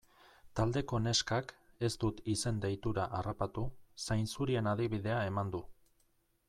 Taldeko neskak, ez dut izen-deitura harrapatu, zainzurien adibidea eman du.